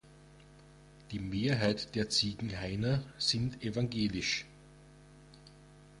Die Mehrheit der Ziegenhainer sind evangelisch.